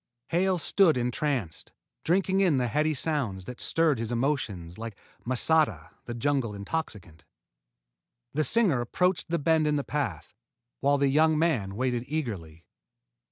Hale stood entranced, drinking in the heady sounds that stirred his emotions like masata, the jungle intoxicant. The singer approached the bend in the path, while the young man waited eagerly.